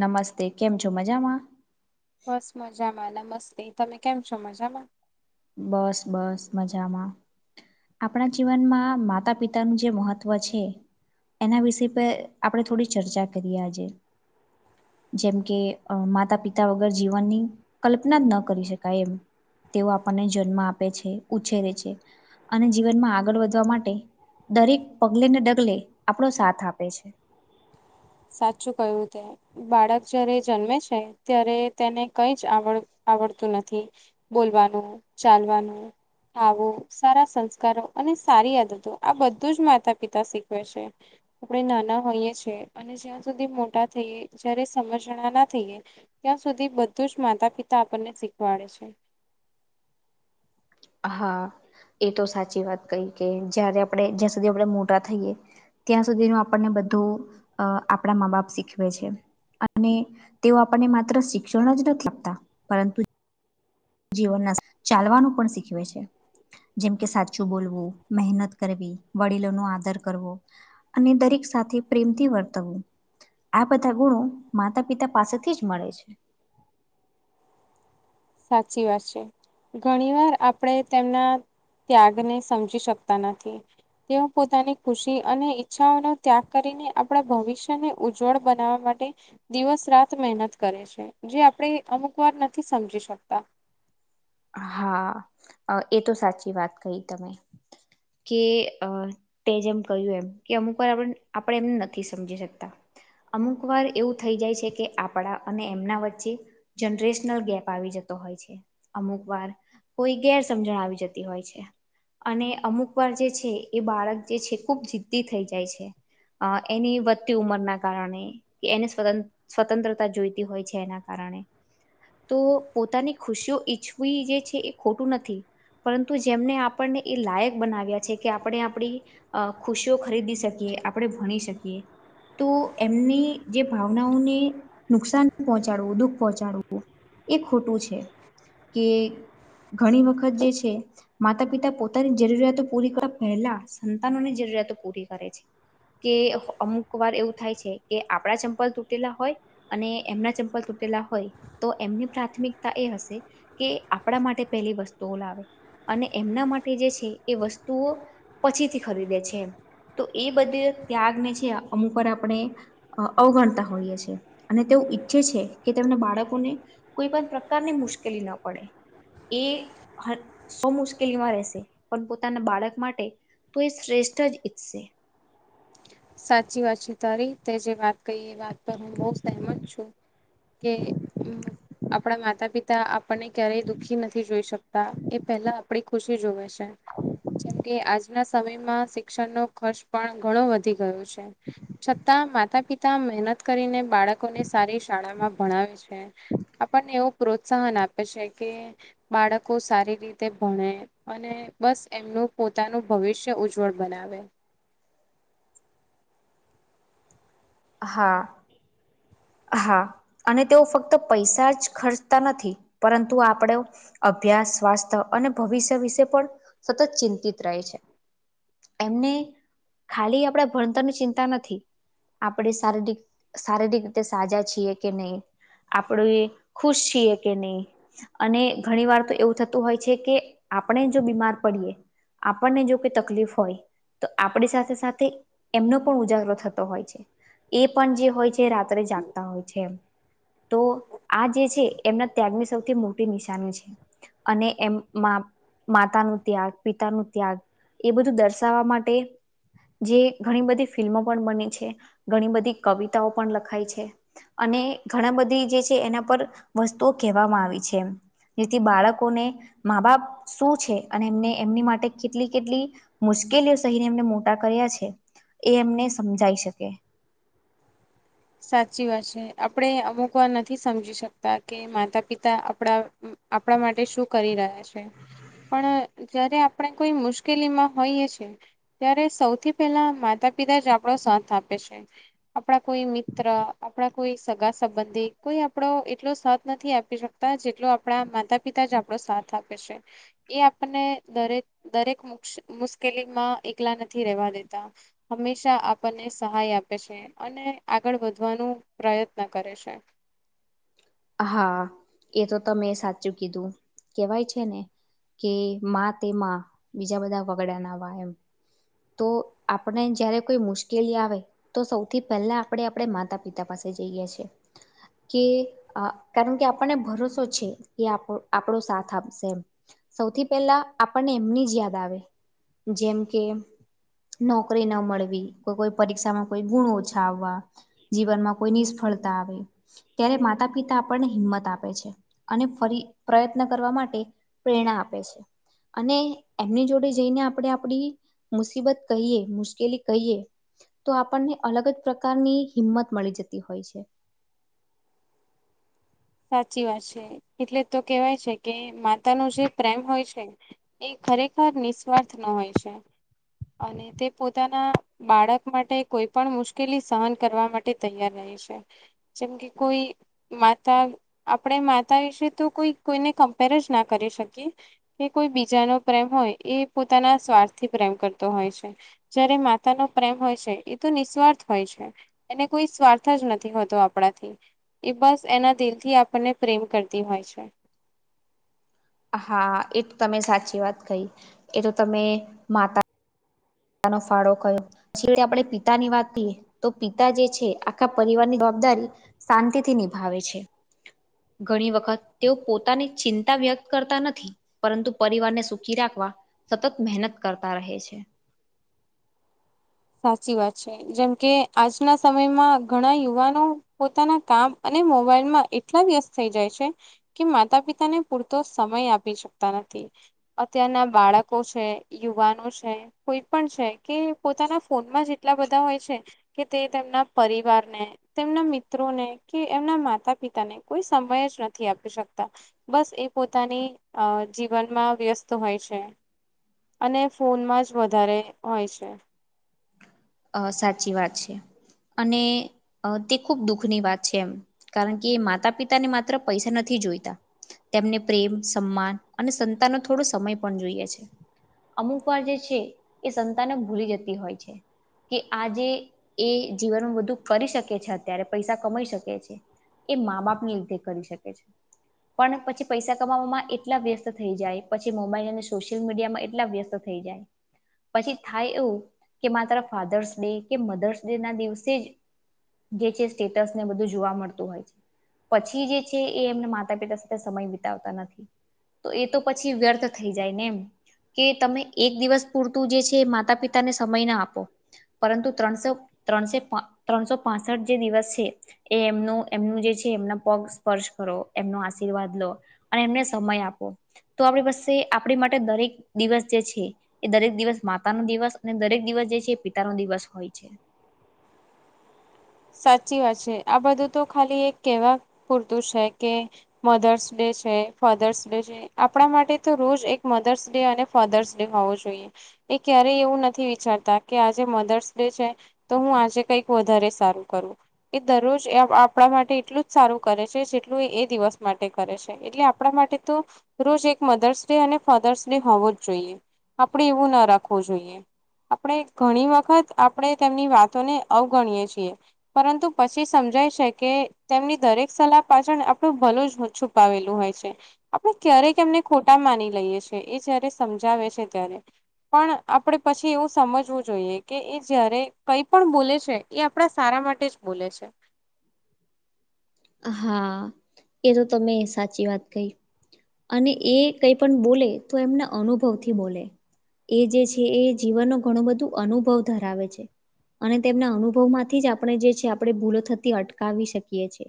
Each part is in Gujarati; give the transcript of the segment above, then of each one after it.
નમસ્તે કેમ છો મજામાં બસ મજામાં નમસ્તે તમે કેમ છો મજામાં બસ બસ મજામાં આપણા જીવનમાં માતા પિતાનું જે મહત્વ છે એના વિષે પર આપણે થોડી ચર્ચા કરીએ આજે જેમ કે માતા પિતા વગર જીવનની કલ્પના જ ન કરી શકાય એમ તેઓ આપણને જન્મ આપે છે ઉછેરે છે અને જીવનમાં આગળ વધવા માટે દરેક પગલે ને ડગલે આપણો સાથ આપે છે [inaudible] સાચું કયું તે બાળક જયારે જન્મે છે ત્યારે તેને કઈ જ આવડ આવડતું નથી બોલવાનું ચાલવાનું આવો સારા સંસ્કારો અને સારી આદતો આ બધું જ માતા પિતા શીખવે છે આપણે નાના હોઈએ છીએ અને જ્યાં સુધી મોટા થઈએ જય્યારે સમજણા ના થઈએ ત્યાં સુધી બધું જ માતા પિતા આપણને શીખવાડે છે હા એ તો સાચી વાત કઈ કે જયારે આપણે જ્યાં સુધી આપણે મોટા થઈએ ત્યાં સુધીનું આપણને બધું અ આપણા મા બાપ શીખવે છે. અને તેઓ આપણને માત્ર શિક્ષણ જ નથી આપતા પરંતુ જીવનના ચાલવાનું પણ શીખવે છે. જેમકે સાચું બોલવું મહેનત કરવી વડીલો નો આદર કરવો અને દરેક સાથે પ્રેમથી વર્તવું આ બધા ગુણો માતા પિતા પાસેથી જ મળે છે. સાચી વાત છે ઘણી વાર આપણે તેમના ત્યાગને સમજી શકતા નથી તેઓ પોતાની ખુશી અને ઈચ્છાઓનો ત્યાગ કરી. આપણા ભવિષ્યને ઉજ્વળ બનાવવા માટે દિવસ રાત મહેનત કરે છે જે આપણે. અમુક વાર નથી સમજી શકતા હા એ તો સાચી વાત કહી તમે કે અ તે જેમ કહ્યું એમ કે અમુક વાર આપણે એમને નથી સમજી શકતા. અમુક વાર એવું થઈ જાય છે કે આપણા અને એમના વચ્ચે જનરેશનલ ગેપ આવી જકે હોય છે અમુક વાર કોઈ ગેર સમજણ આવી જતી હોય છે અને અમુક વાર જે છે એ બાળક જે છે ખુબ જિદ્દી થઈ જાય છે અ એની વધતી ઉંમરના કારણે એને સ્વત સ્વતંત્રતા જોઈતી હોય છે એના કારણે તો પોતાની ખુશીઓ ઈચ્છવી જે છે એ ખોટું નથી પરંતુ જેમને આપણને એ લાયક બનાવ્યા છે કે આપણે આપણી ખુશીઓ ખરીદી શકીએ આપણે ભણી શકીએ તો એમની જે ભાવનાઓને નુકસાન પહોંચાડવું દુઃખ પહોંચાડવું એ ખોટું છે કે ઘણી વખત જે છે માતા પિતા પોતાની જરૂરિયાતો પૂરી કરવા પહેલા સંતાનોની જરૂર. તો પૂરી કરે છે. કે અમુક વાર એવું થાય છે કે આપડા ચંપલ તૂટેલા હોય અને એમના ચંપલ તૂ ટેલા હોય તો એમની પ્રાથમિકતા એ હશે કે આપણા માટે પેલી વસ્તુઓ લાવે અને એમના માટે જે છે એ વસ્તુઓ પછીથી ખરીદે છે. તો એ બધે ત્યાગને છે અમુક આપણે અવગણતા હોઈએ છ છેએ અને તે ઈચ્છે છે કે તેમને બાળકોને કોઈ પણ પ્રકારની મુશ્કેલી ના પડે એ સૌ મુશ્કેલીમાં રહેશે પણ પોતાના બાળક માટે તો એ શ્રેષ્ઠ ઈજ સે કઈ એ વાત પર હું બહુ સહેમત છું. કે આપણા માતા પિતા પણને ક્યારેય દુઃખી નથી જોઈ શકતા એ પહેલા આપડી ખુશી જોવે છે જેમકે આજ ના સમયમાં શિક્ષણનો ખર્ચ પણ ઘણો વધ ઘી ગયો છે છતાં માતા પિતા મહેનત કરીને બાળકોને સારી શાળામાં ભણાવે છે આપણને એવું પ્રોત્સાહન આપે છે કે બાળકો સારી રીતે ભણે અને બસ એમનું પોતાનું ભવિષ્ય ઉજ્જવળ બનાવે હા હા અને તેઓ ફક્ત પૈસા જ ખર્ચતા નથી પરંતુ આપડો અ ભ્યાસ સ્વાસ્થ્ય અને ભવિષ્ય વિશે પણ સતત ચિંતિત રહે છે એમને ખાલી આપડે ભણતરની ચિંતા નથી આપડે શારીરિક શારીરિક તે સાજા છીએ કે નઈ આપડે ખુશ છીએ કે નઈ અને ઘણી વાર તો એવું થતું હોય છે કે આપણે જો બીમાર પડીએ આપણને જો કોઈ તકલીફ હોય તો આપડી સાથે સાથે એમનો પણ ઉજાગરો થતો હોય છે એ પણ જે હોય છે રા ત્રે જાગતા હોય છે એમ તો આ જે છે એમના ત્યાગની સૌથી મોટી નિશાની છે અને એમ મા માતાનું ત્યાગ પિતાનું ત્યાગ એ બધું દર્શાવા માટે જે ઘણી બધી ફિલ્મો પણ બની છે ઘણી બધી કવિતાઓ પણ લખ લખાય છે અને ઘણા બધી જે છે એના પર વસ્તુઓ કહેવામાં આવી છે જેથી બાળકોને મા બાપ શું છે અને એમને એમની માટે કેટલી કેટલી મુશ મુશ્કેલીઓ સહીને એમને મોટા કર્યા છે એ એમને સમજાઈ શકે [inaudible] સાચી વાત છે આપણે અમુક વાર નથી સમજી શકતા કે માતા પિતા આપણા આપણા માટે શું કરી રહ્યા છે પણ જયારે આપણે કોઈ મુશ્કેલીમાં હોઈએ છે ત્યારે સૌથી પહેલા માતા પિતા જ આપડો સાથ આપે છે આપણા કોઈ મિ ત્ર આપણા કોઈ સગા સંબંધી કોઈ આપડો એટલો સાથ નથી આપી શકતા જેટલો આપણા માતા પિતા જ આપડો સાથ આપે છે એ આપણને દરેક દરેક મૂકશે મુશ્કેલી મા એકલા નથી રેવા દેતા હંમેશા આપણને સહાય આપે છે અને આગળ વધવાનું પ્રયત્ન કરે છે હા એ તો તમે સાચું કીધું કેવાય છે ને કે માં તે માં બીજા બધા વગડાના વા એમ તો આપને જયારે કોઈ મુશ્કેલી આવે તો સૌથી પહેલા આપડે આપડે માતા પિતા પાસ થઇ જઈએ છે કે અ કારણ કે આપણને ભરોસો છે કે આપડો આપડો સાથ આપશે એમ સૌથી પહેલા આપણને એમની જ યાદ આવે જેમ કે નોકરી ન મળવી કો કોઈ પરીક્ષામાં કોઈ ગુણ ઓછા આવવા જીવનમાં કોઈ નિષ્ફળ ફળતા આવે ત્યારે માતા પિતા આપણને હિંમત આપે છે અને ફરી પ્રયત્ન કરવા માટે પ્રેરણા આપે છે અને એમની જોડે જઈને આપડે આપડી મુસીબત કહીએ મુશ્કેલી કહીએ તો આપણને અલગ જ પ્રકારની હિંમત મળી જતી હોય છે [inaudible] સાચી વાત છે એટલે તો કેવાય છે કે માતાનો જે પ્રેમ હોય છે એ ખરેખર નિસ્વાર્થનો હોય છે અને તે પોતાના બાળક માટે કોઈ પણ મુશ્કેલી સહન કરવા માટે તૈયાર રહે છે જેમ કે કોઈ માતા આપણે માતા વિશે તો કોઈ કોઈને કમ્પેરજ ના કરી શકીએ કે કોઈ બીજાનો પ્રે હોય એ પોતાના સ્વાર્થથી પ્રેમ કરતો હોય છે જયારે માતાનો પ્રેમ હોય છે એ તો નિ નિસ્વાર્થ હોય છે એને કોઈ સ્વાર્થ જ નથી હોતો આપણાથી એ બસ એના દિલ થી આપણને પ્રેમ કરતી હોય છે હા એ તમે સાચી વાત કહી એ તો તમે માતા નો ફાળો કયો છે આપણે પિતાની વાત કહીએ તો પિતા જે છે આખા પરિવારની બદારી શાંતિથી નિભાવે છે. ઘણી વખત તેઓ પોતાની ચિંતા વ્યક્ત કરતા નથી પરંતુ પરિવારને સુખી રાખ વા સતત મહેનત કરતા રહે છે. સાચી વાત છે જેમ કે આજના સમયમાં ઘણા યુવાનો પોતાના કામ અ. ને મોબાઈલ માં એટલા વ્યસ્ત થઈ જાય છે કે માતા પિતાને પૂરતો સમય આપી શકતા નથી. અત્યારના બાળકો છે યુવાનો છે કોઈ પણ છે કે પોતાના. ફોનમાં જેટલા બધા હોય છે કે તે તેમના પરિવારને તેમના મિત્રોને કે એ મના માતા પિતાને કોઈ સમય જ નથી આપી શકતા બસ એ પોતાની અ જીવન. માં વ્યસ્ત હોય છે અને ફોનમાં જ વધારે હોય છે. અ સાચી વાત છે. અને અ તે ખૂબ દુઃખની વાત છે એમ કારણ કે માતા પિતાને માત્ર પૈસા નથી. જોઈતા તેમને પ્રેમ સન્માન અને સંતાનનો થોડો સમય પણ જોઈએ છે. અમુક વાર જે છે એ સંતાનો જ ભૂલી જતી હોય છે. કે આજે એ જીવનમાં બધું કરી શકે છે અત્યારે પૈસા કમાઈ શકે છે. એ મા બાપને લીધે કરી શકે છે. પણ પછી પૈસા કમાવામાં એટલા વ્યસ્ત થઈ જાય, પછી મોબાઈલ અને સોશિયલ મીડિયા માં એટલા વ્યસ્ત થઈ થઈ જાય, પછી થાય એવું. કે માત્ર ફાધર્સ ડે કે મધર્સ ડે ના દિવસે જ. જે છે, સ્ટેટસ ને બધું જોવા મળતું હોય છે. પછી જે છે, એ એમને માતા પિતા સાથે સમય વિતાવતા નથી. તો એ તો પછી વ્યર્થ થઈ જાય ને એમ. કે તમે એક દિવસ પૂરતું જે છે, માતા-પિતાને સમય ના આપો. પરંતુ ત્રણસો ત્રણસે ત્રણસો પાસઠ જે દિવસ છે, એ એમનું એમનું જે. એમના પગ સ્પર્શ કરો, એમનો આશીર્વાદ લો અને એમને સમય આપો. તો, આપણી પાસે આપણી માટે દરેક દિવસ જે છે, એ દરેક દિવસ માતા નો દિવસ. અને દરેક દિવસ જે છે, એ પિતા નો દિવસ હોય છે. સાચી વાત છે, આ બધું તો ખાલી એક કેવા પૂરતું છે કે મધર્સ ડે. છે ફાધર્સ ડે છે આપણા માટે તો રોજ એક મધર્સ ડે અને ફાધર્સ ડે હોવો જોઈએ. એ ક્યારેય એવું નથી વિચારતા કે આજે મધર્સ ડે છે તો હું આજે કઈક વધારે સારું. કરું એ દરરોજ આપણા માટે એટલું જ સારું કરે છે, જેટલું એ એ દિવસ માટે કરે છે. એટલે આપણા માટે તો રોજ એક મધર્સ ડે અને ફાધર્સ ડે હોવો જ જોઈએ. આપણેે એવું ના રાખવું જોઈએ. આપણે ઘણી વખત આપણે તેમની વાતોને અવગણીએ છીએ. પરંતુ પછી સમજાય છે કે, તેમની દરેક સલાહ પાછળ આપડું ભલું જ છુપાવેલું હોય. હોય છે, આપણે ક્યારે એમને ખોટા માની લઈએ છે એ, જયારે સમજાવે છે ત્યારે. પણ આપણે પછી એવું સમજવું જોઈએ કે, એ જયારે કંઈ પણ બોલે છે, એ આપણા સારા માટે તે જ બોલે છે. હા, એ તો તમે સાચી વાત કહી. અને એ કંઈ પણ બોલે તો એમના અનુભવથી બોલે. એ જે છે, એ જીવનનો ઘણું બધું અનુભવ ધરાવે છે. અને તેમના અનુભવમાંથી જ આપણે જે છે, આપણે ભૂલો થતી અટકાવી શકીએ છીએ.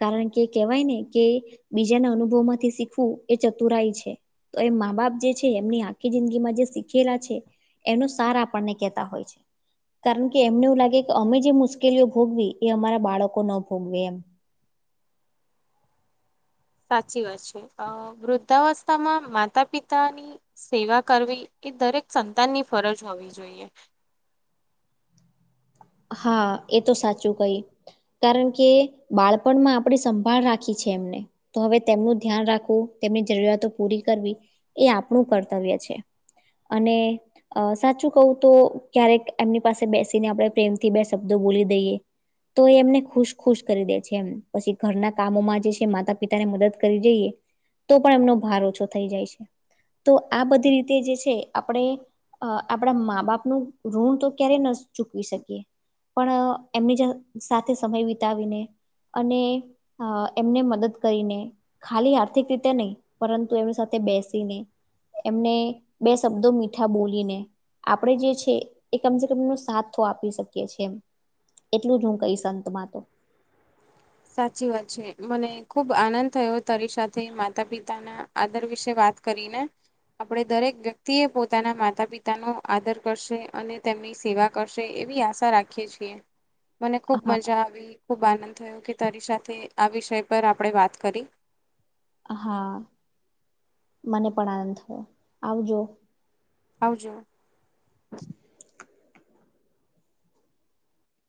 કારણ કે કેહેવાય ને કે, બીજાના અનુભવ માંથી શીખવું એ ચતુરાય છે. તો એમ મા-બાપ જે છે, એમની આખી જિંદગીમાં જે શીખેલા છે. એનું સાર આપણને કેતા હોય છે. કારણ કે એમને એવું લાગે કે, અમે જે મુશ્કેલીઓ ભોગવી, એ અમારા બાળકો ના ભોગવી એમ. સાચી વાત છે, વૃદ્ધાવસ્થામાં માતા-પિતાની સેવા કરવી. એ દરેક સંતાનની ફરજ હોવી જોઈએ. હા, એ તો સાચું કઈ. કારણ કે બાળપણમાં આપણી સંભાળ રાખી છે એમને, તો હવે તેમનું ધ્યાન રાખવું. તેમની જરૂરિયાતો પૂરી કરવી એ આપણું કર્તવ્ય છે. અને સાચું કવું તો, ક્યારેક એમની પાસે બેસીને આપણે પ્રેમ થી બે શબ્દો બોલી દઈએ. તો એ એમને ખુશ ખુશ કરી દે છે એમ, પછી ઘરના કામોમાં જે છે, માતા-પિતા ને મદદ કરી જઈએ. તો પણ એમનો ભાર ઓછો થઈ જાય છે, તો આ બધી રીતે જે છે, આપણે અ આપડા મા-બાપ નું ઋણ તો ક્યારે ન ચૂકવી શકીએ. પણ એમની સાથે સમય વિતાવીને. અને એમને મદદ કરીને, ખાલી આર્થિક રીતે નહીં પરંતુ એમની સાથે બેસીને એમને બે શબ્દો મીઠા બોલીને આપણે જે છે, એ કમસે કમ એનો સાથ તો આપી શકીએ. છે, એટલું જ હું કહીશ અંતમા તો. સાચી વાત છે, મને ખુબ આનંદ થયો તારી સાથે માતા- પિતાના આદર વિશે વાત વાત કરીને આપણે દરેક વ્યક્તિ એ પોતાના માતા-પિતાનો આદર કરશે અને તેમની સેવા કરશે. એવી આશા રાખીએ છીએ મને ખુબ હા મજા આવી ખુબ આનંદ થયો કે તારી સાથે આ વિષય પર આપણેે વાત કરી હા મને પણ આનંદ થયો આવજો આવજો